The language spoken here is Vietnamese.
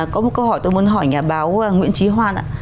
có một câu hỏi tôi muốn hỏi nhà báo nguyễn trí hoan ạ